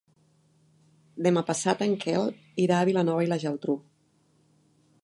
Demà passat en Quel irà a Vilanova i la Geltrú.